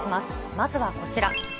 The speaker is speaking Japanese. まずはこちら。